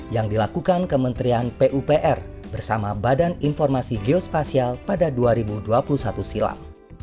yang dilakukan kementerian pupr bersama badan informasi geospasial pada dua ribu dua puluh satu silam